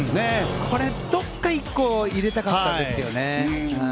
これ、どこか１個入れたかったですよね。